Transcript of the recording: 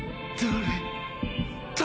誰？